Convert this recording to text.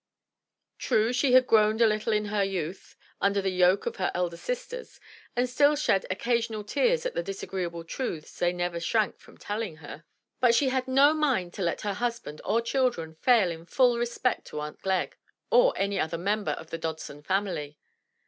True, she had groaned a little in her youth under the yoke of her elder sisters, and still shed occasional tears at the disagreeable truths they never shrank from telling her, but she had no mind to let her husband or children fail in full respect to Aunt Glegg or any other member of the Dodson family.